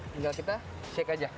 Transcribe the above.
tinggal kita shake aja